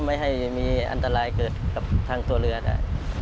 ไม่ให้มีอันตรายเกิดกับทางตัวเรือได้